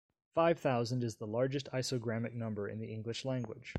Five thousand is the largest isogrammic number in the English language.